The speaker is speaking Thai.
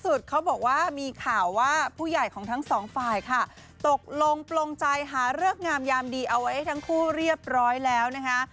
เขาบอกว่ามีข่าวว่าผู้ใหญ่ของทั้งสองฝ่ายค่ะตกลงปลงใจหาเลิกงามยามดีเอาไว้ทั้งคู่เรียบร้อยแล้วนะคะ